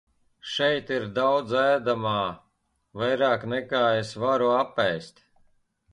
Šeit ir daudz ēdamā, vairāk nekā es varu apēst.